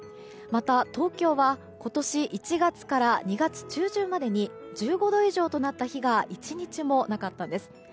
また、東京は今年１月から２月中旬までに１５度以上となった日が１日もなかったんです。